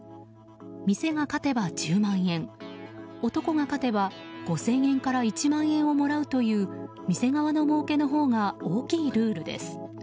店が勝てば１０万円男が勝てば５０００円から１万円をもらうという店側のもうけのほうが大きいルールです。